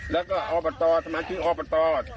แล้วก็ออปเตอร์สมาชิกออปเตอร์